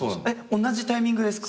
同じタイミング。